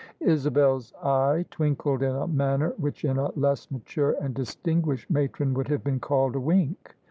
Isabel's eye twinkled in a manner which in a less mature and distinguished matron would have been called a wink.